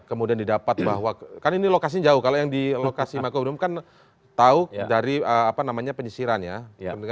kemudian didapat bahwa kan ini lokasi jauh kalau yang di lokasi mako bedung kan tahu dari penyesirannya